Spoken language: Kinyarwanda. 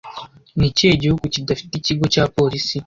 Ni ikihe gihugu kidafite ikigo cya polisi